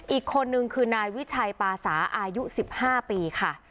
อีกคนนึงคือนายวิชัยปาสาอายุ๑๕ปีค่ะ